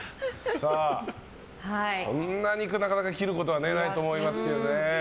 こんな肉なかなか切ることはないと思いますけどね。